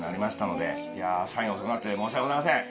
サイン遅くなって申し訳ございません。